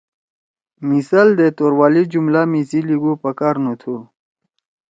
مثال دے توروالی جملہ میسی لیگُو پکار نُو تُھو۔